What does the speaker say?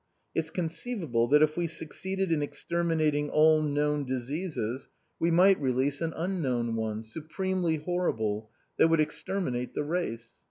It's conceivable that if we succeeded in exterminating all known diseases we might release an unknown one, supremely horrible, that would exterminate the race."